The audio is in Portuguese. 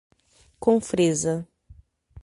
Confresa